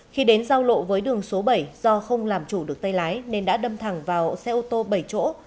khi đến giao lộ với đường số bảy do không làm chủ được tay lái nên đã đâm thẳng vào xe ô tô bảy chỗ